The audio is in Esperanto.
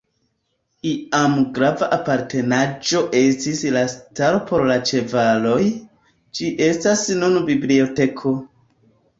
Iam grava apartenaĵo estis la stalo por la ĉevaloj, ĝi estas nun biblioteko.